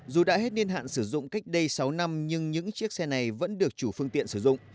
dù đã hết niên hạn sử dụng cách đây sáu năm nhưng những chiếc xe này vẫn được chủ phương tiện sử dụng